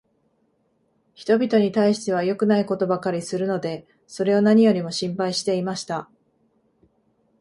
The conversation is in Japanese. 人びとに対しては良くないことばかりするので、それを何よりも心配していました。